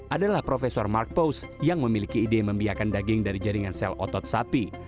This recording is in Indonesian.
adalah profesor mark post yang memiliki ide membiarkan daging dari jaringan sel otot sapi